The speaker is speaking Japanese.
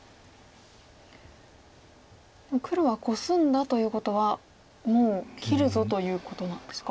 黒はコスんだということはもう切るぞということなんですか？